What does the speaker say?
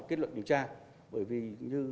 kết luận điều tra bởi vì như